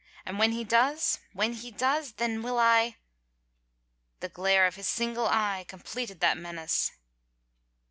And when he does — when he does — then will I —'* The glare of his single eye com pleted that menace.